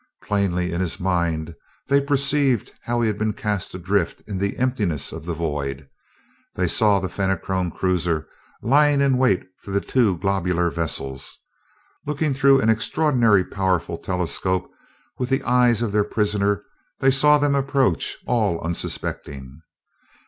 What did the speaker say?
Plainly in his mind they perceived how he had been cast adrift in the emptiness of the void. They saw the Fenachrone cruiser lying in wait for the two globular vessels. Looking through an extraordinarily powerful telescope with the eyes of their prisoner, they saw them approach, all unsuspecting.